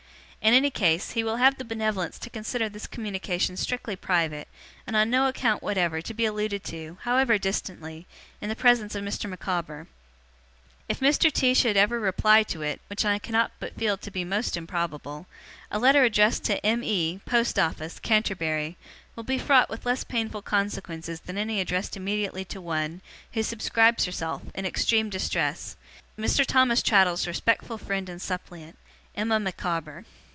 In any case, he will have the benevolence to consider this communication strictly private, and on no account whatever to be alluded to, however distantly, in the presence of Mr. Micawber. If Mr. T. should ever reply to it (which I cannot but feel to be most improbable), a letter addressed to M. E., Post Office, Canterbury, will be fraught with less painful consequences than any addressed immediately to one, who subscribes herself, in extreme distress, 'Mr. Thomas Traddles's respectful friend and suppliant, 'EMMA MICAWBER.